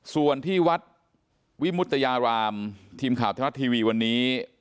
ส่วนที่วัดวิมุตยารามทีมข่าวทรัฐทีวีวันนี้